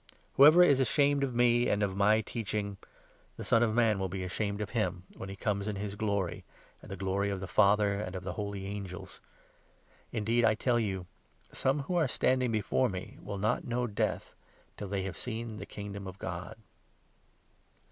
Whoever is ashamed of me and of my teaching, the Son of Man will be ashamed of him, when he comes in his Glory and the Glory of the Father and of the holy angels. Indeed, I tell you, some who are standing before me will not know death, till they have seen the Kingdom of God."